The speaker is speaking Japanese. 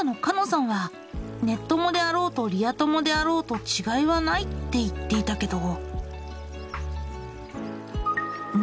さんはネッ友であろうとリア友であろうと違いはないって言っていたけど。